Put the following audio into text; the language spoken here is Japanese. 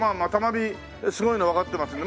美すごいのはわかってますんで。